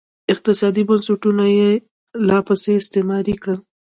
اقتصادي بنسټونه یې لاپسې استثماري کړل